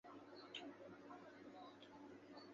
你才十二岁，你懂什么炒股？